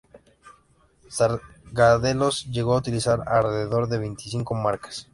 Sargadelos llegó a utilizar alrededor de veinticinco marcas.